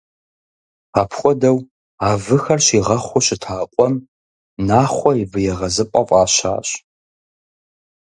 Апхуэдэу, а выхэр щигъэхъуу щыта къуэм «Нахъуэ и вы егъэзыпӏэ» фӏащащ.